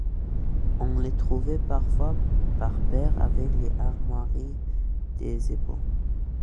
On les trouvait parfois par paire, avec les armoiries des époux.